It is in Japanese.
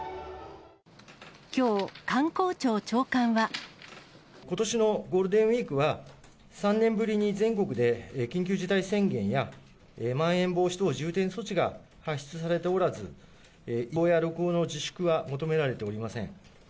きょう、ことしのゴールデンウィークは、３年ぶりに全国で緊急事態宣言や、まん延防止等重点措置が発出されておらず、移動や旅行の自粛は求められておりません。